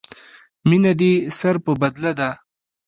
مینه دې سر په بدله ده.